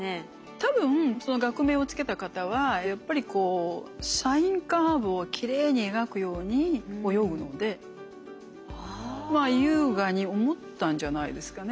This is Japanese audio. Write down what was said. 多分その学名を付けた方はやっぱりこうサインカーブをきれいに描くように泳ぐので優雅に思ったんじゃないですかね。